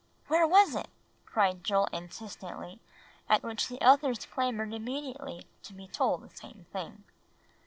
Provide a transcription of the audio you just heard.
"Where was it?" cried Joel insistently, at which the others clamored immediately to be told the same thing.